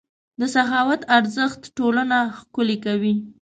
د سخاوت ارزښت ټولنه ښکلې کوي.